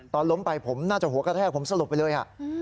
ตอนล้มไปผมน่าจะหัวกระแทกผมสลบไปเลย